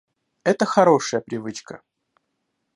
Это хорошая привычка